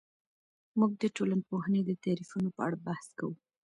موږ د ټولنپوهنې د تعریفونو په اړه بحث کوو.